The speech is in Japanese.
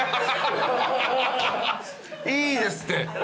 いいですって。